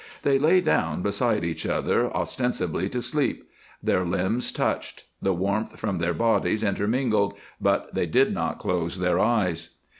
They lay down beside each other, ostensibly to sleep; their limbs touched; the warmth from their bodies intermingled, but they did not close their eyes.